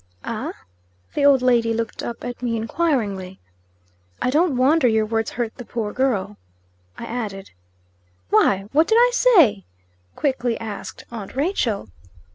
"Ah?" The old lady looked up at me enquiringly. "I don't wonder your words hurt the poor girl," I added. "Why? What did I say?" quickly asked aunt Rachel.